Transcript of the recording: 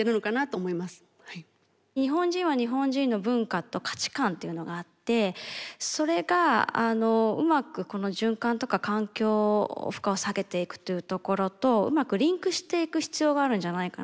日本人は日本人の文化と価値観っていうのがあってそれがうまくこの循環とか環境負荷を下げていくというところとうまくリンクしていく必要があるんじゃないかな。